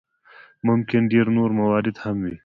ممکن ډېر نور موارد هم وي.